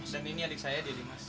dan ini adik saya dedy mas